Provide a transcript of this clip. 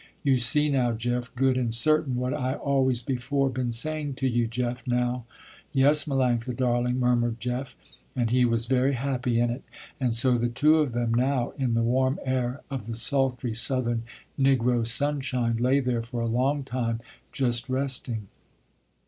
You see now, Jeff, good and certain, what I always before been saying to you, Jeff, now." "Yes, Melanctha, darling," murmured Jeff, and he was very happy in it, and so the two of them now in the warm air of the sultry, southern, negro sunshine, lay there for a long time just resting.